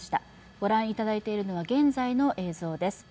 ご覧いただいているのは現在の映像です。